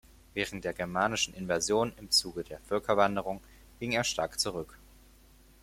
Während der germanischen Invasionen im Zuge der Völkerwanderung ging er stark zurück.